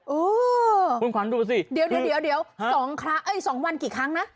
โอ้โหคุณควันดูสิเดี๋ยว๒วันกี่ครั้งนะ